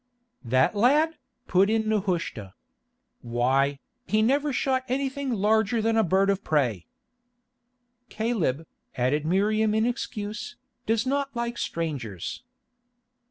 "That lad!" put in Nehushta. "Why, he never shot anything larger than a bird of prey." "Caleb," added Miriam in excuse, "does not like strangers."